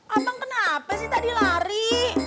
abang kenapa sih tadi lari